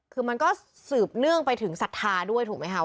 คือมันก็สืบเนื่องไปถึงศรัทธาด้วยถูกไหมคะ